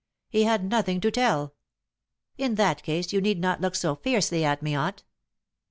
"He had nothing to tell." "In that case you need not look so fiercely at me, aunt."